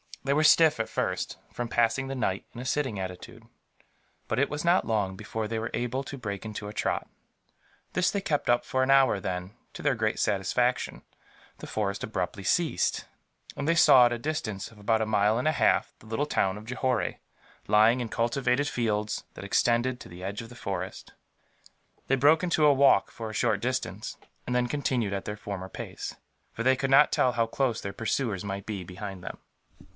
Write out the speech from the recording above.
They were stiff, at first, from passing the night in a sitting attitude; but it was not long before they were able to break into a trot. This they kept up for an hour then, to their great satisfaction, the forest abruptly ceased, and they saw, at a distance of about a mile and a half, the little town of Johore, lying in cultivated fields that extended to the edge of the forest. They broke into a walk, for a short distance; and then continued at their former pace, for they could not tell how close their pursuers might be behind them.